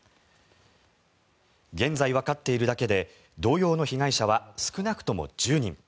現在わかっているだけで同様の被害者は少なくとも１０人。